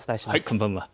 こんばんは。